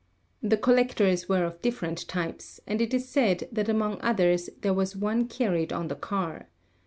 The collectors were of different types, and it is said that among others there was one carried on the car.